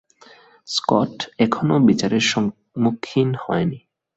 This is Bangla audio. স্কট এখনো বিচারের সম্মুখীন হয়নি।